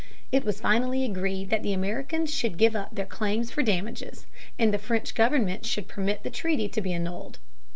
It was finally agreed that the Americans should give up their claims for damages, and the French government should permit the treaty to be annulled.